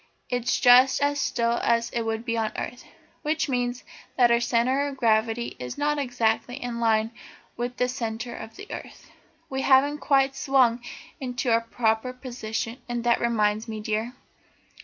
It's just as still as it would be on earth. That means that our centre of gravity is not exactly in line with the centre of the earth. We haven't quite swung into our proper position, and that reminds me, dear.